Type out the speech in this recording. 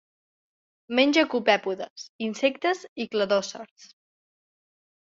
Menja copèpodes, insectes i cladòcers.